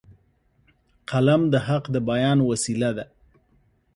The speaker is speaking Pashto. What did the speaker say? قلم د حق د بیان وسیله ده